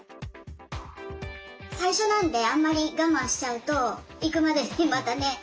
最初なんであんまり我慢しちゃうと行くまでにまたね